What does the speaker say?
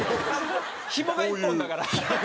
ヒモが１本だから。